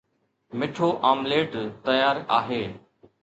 مٺو آمليٽ تيار آهي